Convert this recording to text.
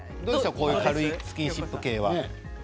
こういう軽いスキンシップ系は。